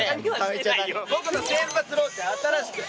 僕の先発ローテ新しく。